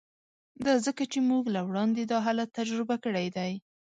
دا ځکه چې موږ له وړاندې دا حالت تجربه کړی دی